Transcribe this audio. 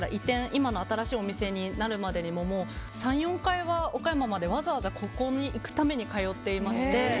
今の新しいお店になるまでに３４回はわざわざ、ここに行くために通っていまして。